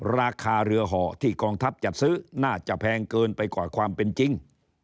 ราคาเรือห่อที่กองทัพจัดซื้อน่าจะแพงเกินไปกว่าความเป็นจริง